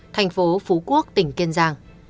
thành phố phú quốc tỉnh kiên giang